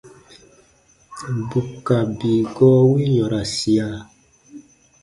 Bù ka bii gɔɔ wi yɔ̃rasia.